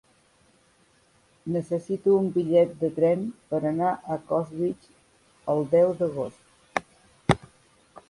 Necessito un bitllet de tren per anar a Costitx el deu d'agost.